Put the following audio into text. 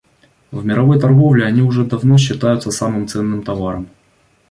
В мировой торговле они уже давно считаются самым ценным товаром.